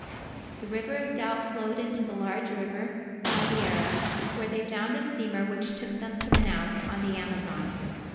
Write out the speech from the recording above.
The River of Doubt flowed into the larger river, Madeira; where they found a steamer which took them to Manaos on the Amazon.